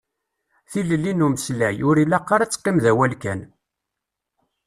Tilelli n umeslay, ur ilaq ara ad teqqim d awal kan.